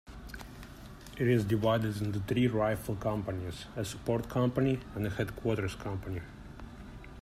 It is divided into three rifle companies, a support company and a headquarters company.